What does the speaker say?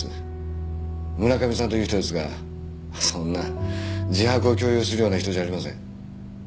村上さんという人ですがそんな自白を強要するような人じゃありません。